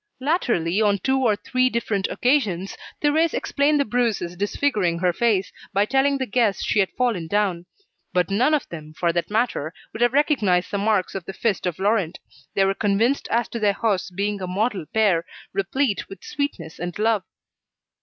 Latterly, on two or three different occasions, Thérèse explained the bruises disfiguring her face, by telling the guests she had fallen down. But none of them, for that matter, would have recognised the marks of the fist of Laurent; they were convinced as to their hosts being a model pair, replete with sweetness and love.